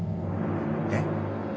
えっ？